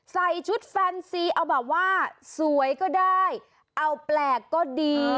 ใส่ชุดแฟนซีเอาแบบว่าสวยก็ได้เอาแปลกก็ดี